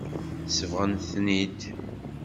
Sebɣen-ten-id.